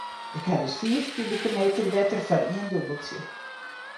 Ik ha dus fiif kubike meter wetter foar ien dûbeltsje.